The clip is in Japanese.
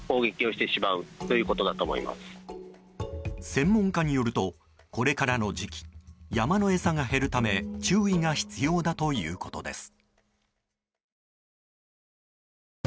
専門家によるとこれからの時期山の餌が減るため注意が必要だということです。